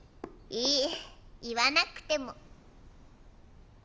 いい言わなくても。